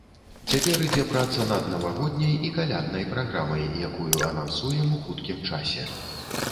Цяпер ідзе праца над навагодняй і каляднай праграмай, якую анансуем у хуткім часе.